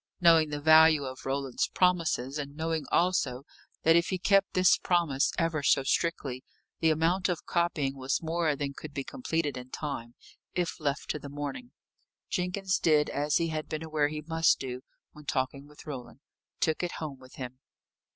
Knowing the value of Roland's promises, and knowing also that if he kept this promise ever so strictly, the amount of copying was more than could be completed in time, if left to the morning, Jenkins did as he had been aware he must do, when talking with Roland took it home with him.